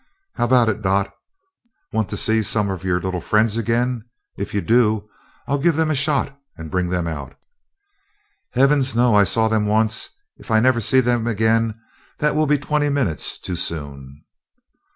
"How about it, Dot? Want to see some of your little friends again? If you do, I'll give them a shot and bring them out." "Heavens, no! I saw them once if I never see them again, that will be twenty minutes too soon!"